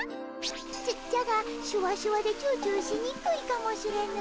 じゃじゃがシュワシュワでチューチューしにくいかもしれぬ。